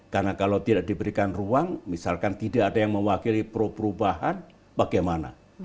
karena kalau tidak diberikan ruang misalkan tidak ada yang mewakili pro perubahan bagaimana